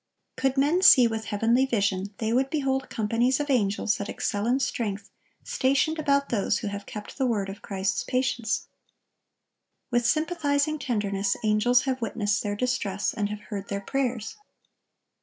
Could men see with heavenly vision, they would behold companies of angels that excel in strength stationed about those who have kept the word of Christ's patience. With sympathizing tenderness, angels have witnessed their distress, and have heard their prayers.